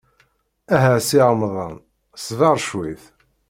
Aha a Si Remḍan, ṣber cwiṭ.